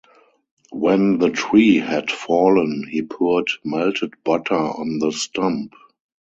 When the tree had fallen, he poured melted butter on the stump.